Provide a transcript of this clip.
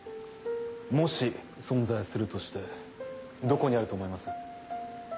もし存在するとしてどこにあると思います？